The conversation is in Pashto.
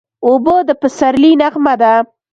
اوبه د پسرلي نغمه ده.